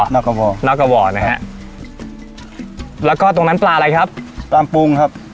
คอนกะว่อนะฮะแล้วก็ตรงนั้นปลาอะไรครับปลาปรุงครับ